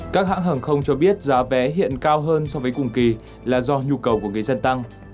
các hãng hàng không cho biết giá vé hiện cao hơn so với cùng kỳ là do nhu cầu của người dân tăng